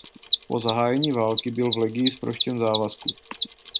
Po zahájení války byl v legii zproštěn závazku.